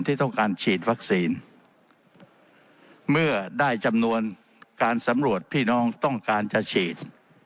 ที่ต้องการฉีดวัคซีนเมื่อได้จำนวนการสำรวจพี่น้องต้องการจะฉีด